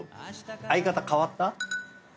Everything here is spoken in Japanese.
相方変わった？